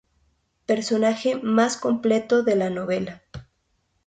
Personaje más completo de la novela.